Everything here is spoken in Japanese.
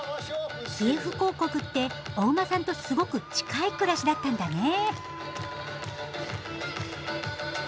キエフ公国ってお馬さんとすごく近い暮らしだったんだね。